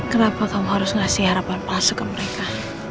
kenapa kamu harus ngasih harapan palsu ke mereka